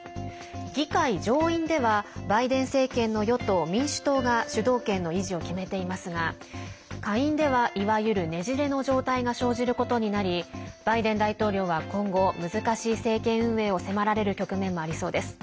議会上院ではバイデン政権の与党・民主党が主導権の維持を決めていますが下院ではいわゆるねじれの状態が生じることになりバイデン大統領は今後、難しい政権運営を迫られる局面もありそうです。